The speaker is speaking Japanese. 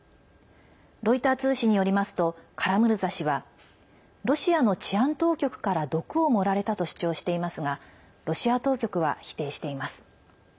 ロイター通信によりますとカラムルザ氏はロシアの治安当局から毒を盛られたと主張していますがロシア当局は否定しています。